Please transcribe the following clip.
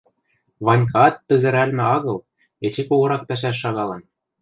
Ванькаат пӹзӹрӓлмӹ агыл, эче когорак пӓшӓш шагалын.